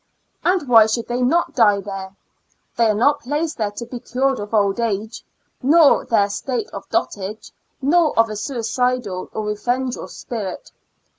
And why should they not die there ? They are not placed there to be cured of old age, nor their state of dot age, nor of a suicidal or revengeful spirit.